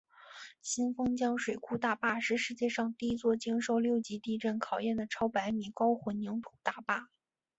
新丰江水库大坝是世界上第一座经受六级地震考验的超百米高混凝土大坝。